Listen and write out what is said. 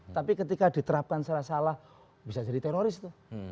tapi ketika diterapkan salah salah bisa jadi teroris tuh